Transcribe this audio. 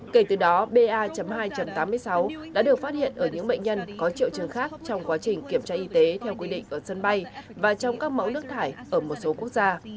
kể từ đó ba hai tám mươi sáu đã được phát hiện ở những bệnh nhân có triệu chứng khác trong quá trình kiểm tra y tế theo quy định ở sân bay và trong các mẫu nước thải ở một số quốc gia